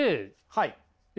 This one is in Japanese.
はい。